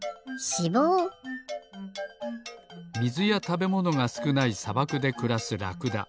みずやたべものがすくないさばくでくらすラクダ。